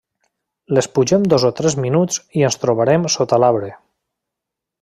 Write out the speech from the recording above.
Les pugem dos o tres minuts i ens trobarem sota l'arbre.